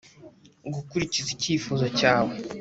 Gukurikiza icyifuzo cyawe